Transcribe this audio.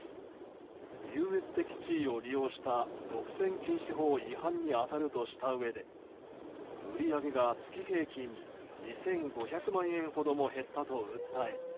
優越的地位を利用した独占禁止法違反に当たるとしたうえで売り上げが月平均２５００万円ほども減ったと訴え